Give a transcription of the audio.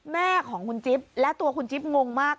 แม่ของคุณจิ๊บและตัวคุณจิ๊บงมาก